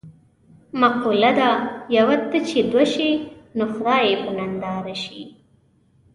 مقوله ده: یوه ته چې دوه شي نو خدای یې په ننداره شي.